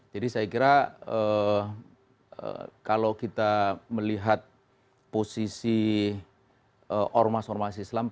jadi saya kira kalau kita melihat posisi ormas ormasi islam